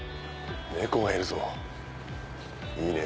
猫がいるぞいいね。